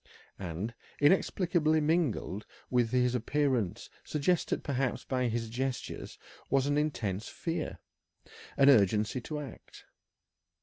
And, inexplicably mingled with his appearance, suggested perhaps by his gestures, was an intense fear, an urgency to act.